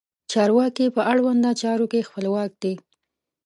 چارواکي په اړونده چارو کې خپلواک دي.